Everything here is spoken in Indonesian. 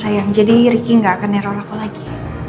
tapi aman sayang jadi riki gak akan nerol aku lagi